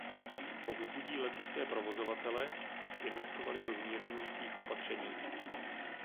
Povzbudí letecké provozovatele, aby investovali do zmírňujících opatření.